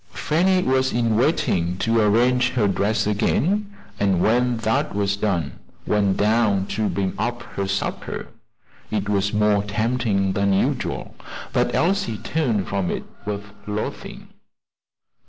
Fanny was in waiting to arrange her dress again, and when that was done, went down to bring up her supper. It was more tempting than usual, but Elsie turned from it with loathing.